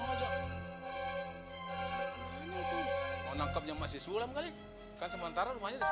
mau nangkepnya masih sulam kali kan sementara rumahnya diisi